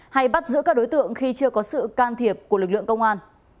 hay bắt giữ các đối tượng khi chưa có sự can thiệp của lực lượng công an